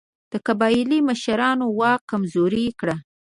د قبایلي مشرانو واک کمزوری کړ.